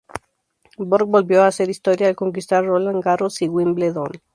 Borg volvió a hacer historia al conquistar Roland Garros y Wimbledon.